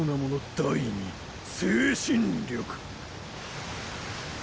第二精神力！